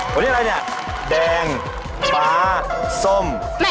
คนนี้อะไรเนี่ยแดงฟ้าส้ม